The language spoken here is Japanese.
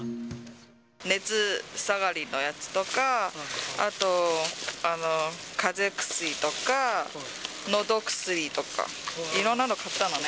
熱下がりのやつとか、あと、かぜ薬とか、のど薬とか、いろんなの買ったのね。